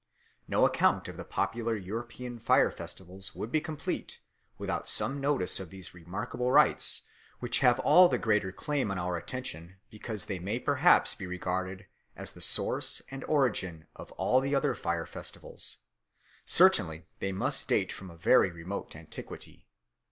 No account of the popular European fire festivals would be complete without some notice of these remarkable rites, which have all the greater claim on our attention because they may perhaps be regarded as the source and origin of all the other fire festivals; certainly they must date from a very remote antiquity.